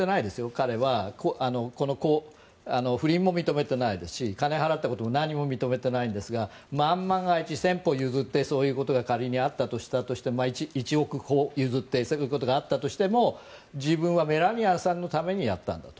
彼は不倫も認めてないですし金を払ったことも何も認めてないんですが万万が一、１０００歩譲ってそういうことが仮にあったとして１億歩譲ってそういうことがあったとしても自分はメラニアさんのためにやったんだと。